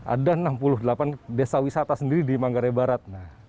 ada enam puluh delapan desa wisata sendiri di manggarai barat